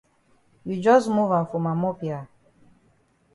You jus move am for ma mop ya.